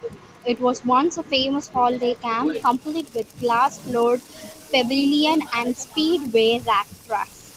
It was once a famous holiday camp, complete with glass-floored pavilion and speedway racetrack.